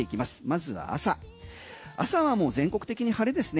まずは朝はもう全国的に晴れですね。